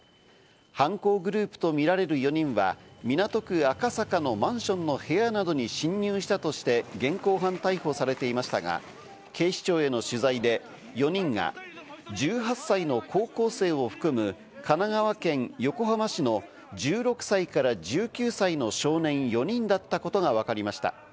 犯行グループとみられる４人は港区赤坂のマンションの部屋などに侵入したとして、現行犯逮捕されていましたが、警視庁への取材で４人が１８歳の高校生を含む神奈川県横浜市の１６歳から１９歳の少年４人だったことがわかりました。